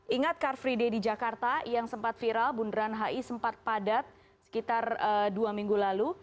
ingat car free day di jakarta yang sempat viral bunderan hi sempat padat sekitar dua minggu lalu